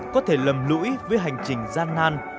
có thể lầm lũi với hành trình gian nan